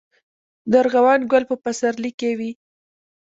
د ارغوان ګل په پسرلي کې وي